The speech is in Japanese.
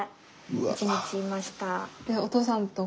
１日いました。